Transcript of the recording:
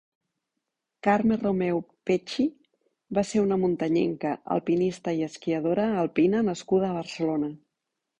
Carme Romeu Pecci va ser una muntanyenca, alpinista i esquiadora alpina nascuda a Barcelona.